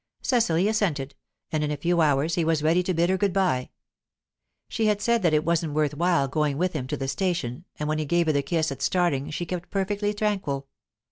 Cecily assented, and in a few hours he was ready to bid her good bye. She had said that it wasn't worth while going with him to the station, and when he gave her the kiss at starting she kept perfectly tranquil.